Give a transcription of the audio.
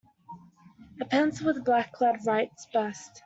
A pencil with black lead writes best.